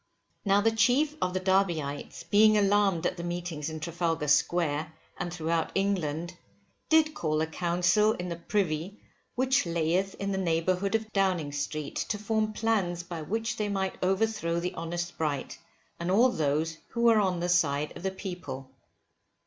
Now the chief of the Derbyites being alarmed at the meetings in Trafalgar Square and throughout England, did call a council in the privy which layeth in the neighbourhood of Downing Street, to form plans by which they might overthrow the honest Bright, and all those who were on the side of the people.